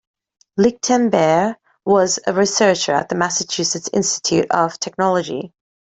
Lichtenberg was a researcher at the Massachusetts Institute of Technology.